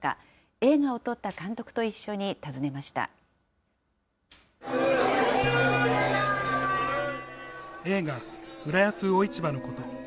映画を撮った監督と一緒に訪ねま映画、浦安魚市場のこと。